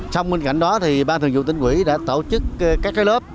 trong bên cạnh đó ban thường vụ tỉnh ủy đã tổ chức các lớp